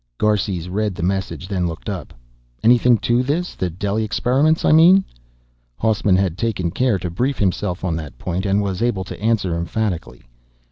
Garces read the message, then looked up. "Anything to this? The Delhi experiments, I mean?" Hausman had taken care to brief himself on that point and was able to answer emphatically.